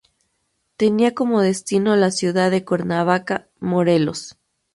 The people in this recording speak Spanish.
Tenía como destino la ciudad de Cuernavaca, Morelos.